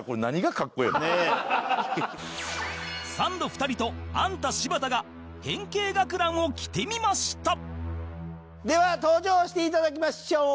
サンド２人とアンタ柴田が変形学ランを着てみましたでは登場して頂きましょう。